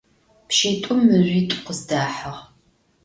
Pşit'um mızjüit'u khızdahığ.